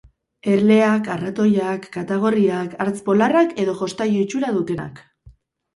Erleak, arratoiak, katagorriak, hartz polarrak edo jostailu itxura dutenak.